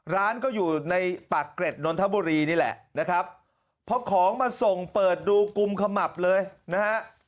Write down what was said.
ร้านก็อยู่ในปากเกร็ดนนทบุรีนี่แหละนะครับเพราะของมาส่งเปิดดูกุมขมับเลยนะฮะ